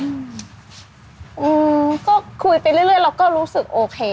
อืมก็คุยไปเรื่อยเราก็รู้สึกโอเค